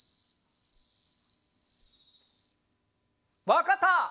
わかった！